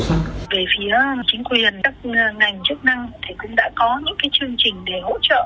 về phía chính quyền các ngành chức năng cũng đã có những chương trình để hỗ trợ